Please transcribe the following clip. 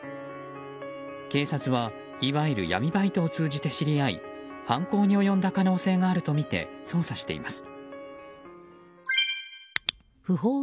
警察はいわゆる闇バイトを通じて知り合い犯行に及んだ可能性があるとみて捜査しています。